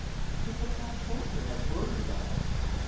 "But papa told her how poor he was."